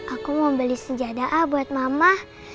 aku mau beli sejadah buat mama